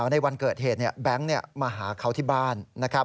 ในวันเกิดเหตุแบงค์มาหาเขาที่บ้านนะครับ